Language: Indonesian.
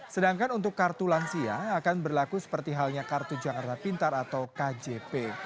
sedangkan untuk kartu lansia akan berlaku seperti halnya kartu jakarta pintar atau kjp